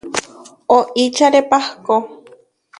Oičare pahkó.